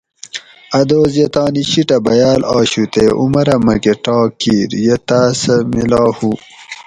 اۤ دوس یہ تانی شیٹہ بیاۤل آشو تے عمرہ مۤکہ ٹاک کِیر یہ تاۤس سۤہ میلا ہُو